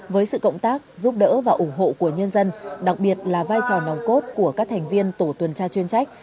với sự cộng tác giúp đỡ và ủng hộ của nhân dân đặc biệt là vai trò nòng cốt của các thành viên tổ tuần tra chuyên trách